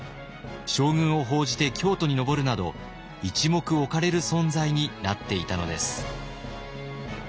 将軍を奉じて京都に上るなど一目置かれる存在になっていたのです。